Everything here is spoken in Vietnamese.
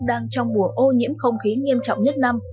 đang trong mùa ô nhiễm không khí nghiêm trọng nhất năm